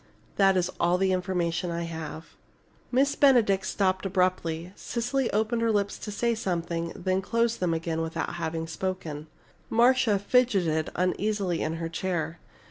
That is all the information I have." Miss Benedict stopped abruptly. Cecily opened her lips to say something, then closed them again without having spoken. Marcia fidgeted uneasily in her chair.